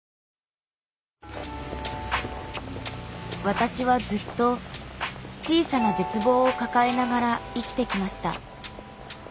私はずっと小さな絶望を抱えながら生きてきました。